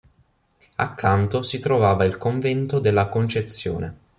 Accanto si trovava il "Convento della Concezione".